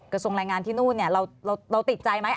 กระทรวงแรงงานที่นู่นเราติดใจไหม